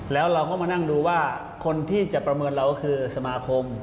แล้วเราก็มานั่งดูว่าคนที่จะประเมินเราก็คือสมาคม